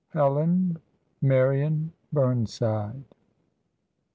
HELEN MARION BURNSIDE.